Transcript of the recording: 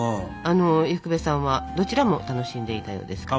伊福部さんはどちらも楽しんでいたようですから。